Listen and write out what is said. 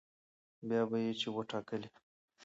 بيا به يې چې وټاکلې